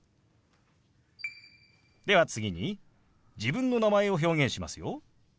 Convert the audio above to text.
では次に自分の名前を表現しますよ。